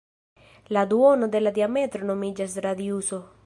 La duono de la diametro nomiĝas radiuso.